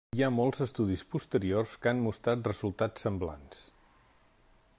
Hi ha molts estudis posteriors que han mostrat resultats semblants.